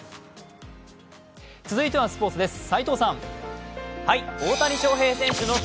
続いてはスポーツです。